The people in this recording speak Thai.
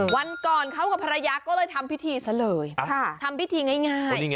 วันก่อนทำพิธีเลยที่เขากันมาพิธีอะไรก็มาทำพิธียังง่าย